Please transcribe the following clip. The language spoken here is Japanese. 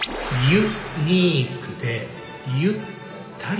「ユ・ニークでゆ・ったり」。